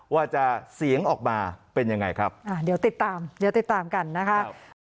ว่าจะเสียงออกมาเป็นยังไงครับอ่าเดี๋ยวติดตามเดี๋ยวติดตามกันนะคะ